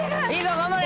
頑張れ！